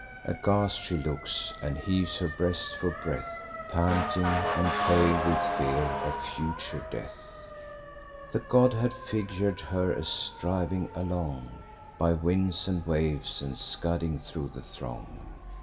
Aghast she looks, and heaves her breast for breath, Panting, and pale with fear of future death. The god had figur'd her as driv'n along By winds and waves, and scudding thro' the throng.